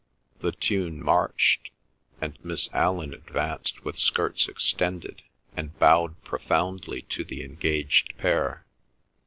The tune marched; and Miss Allen advanced with skirts extended and bowed profoundly to the engaged pair.